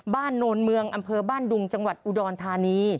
โนนเมืองอำเภอบ้านดุงจังหวัดอุดรธานี